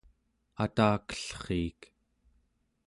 atakellriik